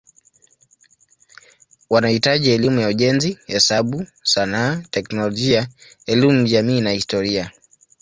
Wanahitaji elimu ya ujenzi, hesabu, sanaa, teknolojia, elimu jamii na historia.